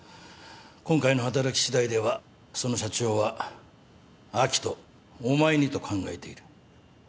今回の働きしだいではその社長は明人お前にと考えている。